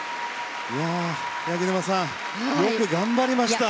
八木沼さん、よく頑張りました。